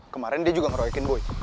kemarin dia juga ngeroyokin buy